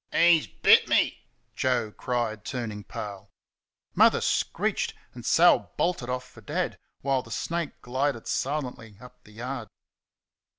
"He's bit me!" Joe cried, turning pale. Mother screeched, and Sal bolted off for Dad, while the snake glided silently up the yard.